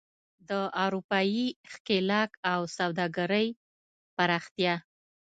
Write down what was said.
د اروپايي ښکېلاک او سوداګرۍ پراختیا.